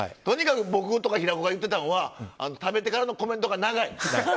とにかく僕とか平子が言ってたのは食べてからのコメントが長い！